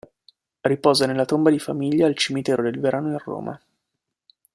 Riposa nella tomba di famiglia al Cimitero del Verano in Roma.